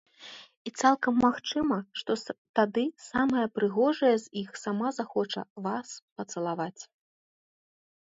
І цалкам магчыма, што тады самая прыгожая з іх сама захоча вас пацалаваць!